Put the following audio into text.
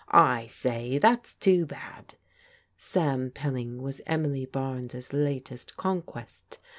" I say, that's too bad." Sam Pilling was Emily Barnes' latest conquest.